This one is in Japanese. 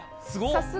「すごい！」